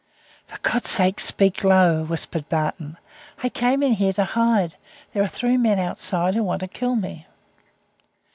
"For God's sake speak low," whispered Barton. "I came in here to hide. There are three men outside who want to kill me."